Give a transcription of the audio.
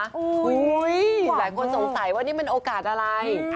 หวังนะอุ๊ยหวังมากหลายคนสงสัยว่านี่เป็นโอกาสอะไร